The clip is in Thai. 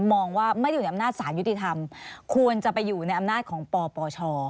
มองว่าไม่ได้อยู่ในอำนาจสารยุติธรรมควรจะไปอยู่ในอำนาจของปปช